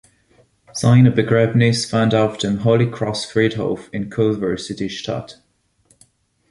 Seine Begräbnis fand auf dem Holy Cross-Friedhof in Culver City statt.